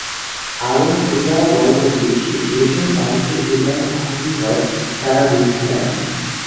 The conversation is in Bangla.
আর এটাও বলব যে, যেসব মানুষ এটার মুখোমুখি হয় তারা দুঃখে আছে।